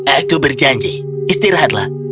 aku berjanji istirahatlah